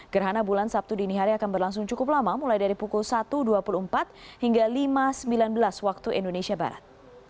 gerhana bulan sabtu dini hari akan berlangsung cukup lama mulai dari pukul satu dua puluh empat hingga lima sembilan belas waktu indonesia barat